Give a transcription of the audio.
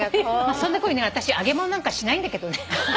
そんな私揚げ物なんかしないんだけどね。